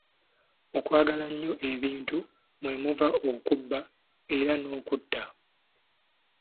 Okwagala ennyo ebintu mwe muva okubba era n'okutta.